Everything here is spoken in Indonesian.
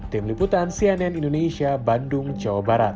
tim liputan cnn indonesia bandung jawa barat